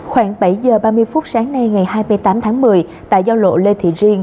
khoảng bảy h ba mươi phút sáng nay ngày hai mươi tám tháng một mươi tại giao lộ lê thị riêng